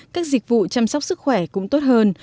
các dịch vụ chăm sóc sức khỏe cũng tốt hơn